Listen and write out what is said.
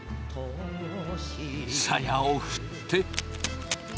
さやを振って。